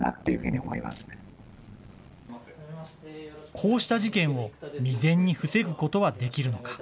こうした事件を未然に防ぐことはできるのか。